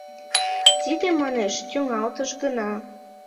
Тиде, манеш, тӱҥалтыш гына.